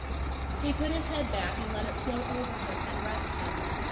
He put his head back and let it float over him and rest him.